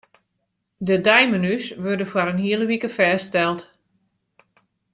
De deimenu's wurde foar in hiele wike fêststeld.